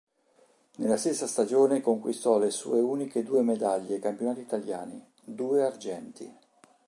Nella stessa stagione conquistò le sue uniche due medaglie ai Campionati italiani, due argenti.